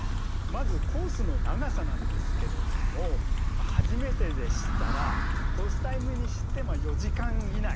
まずコースの長さなんですけれども初めてでしたらコースタイムにして４時間以内。